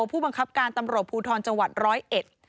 ผู้บังคับการตำรวจภูทรจังหวัดร้อยเอ็ด